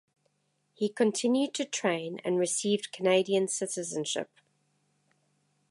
He continued to train and received Canadian citizenship.